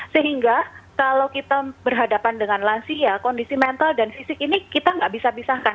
sehingga kalau kita berhadapan dengan lansia kondisi mental dan fisik ini kita nggak bisa pisahkan